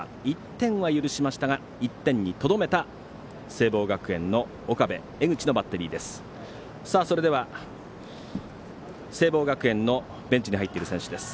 １点は許しましたが１点にとどめた聖望学園の岡部と江口のバッテリーです。